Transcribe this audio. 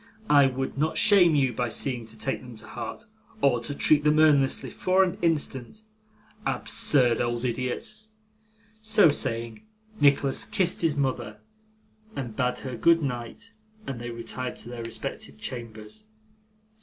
I would not shame you by seeming to take them to heart, or treat them earnestly for an instant. Absurd old idiot!' So saying, Nicholas kissed his mother, and bade her good night, and they retired to their respective chambers.